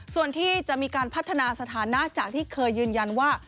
ส่วนที่จะมีการพัฒนาสถานะจากที่เคยยืนยันว่า